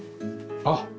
あっ！